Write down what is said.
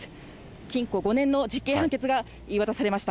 禁錮５年の実刑判決が言い渡されました。